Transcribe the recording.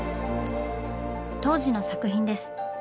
当時の作品です。